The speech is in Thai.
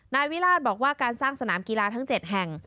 นายวิราชบอกว่าการสร้างสนามกีฬาทั้ง๗แห่ง